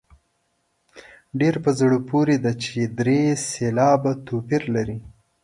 ډېره په زړه پورې ده چې درې سېلابه توپیر لري.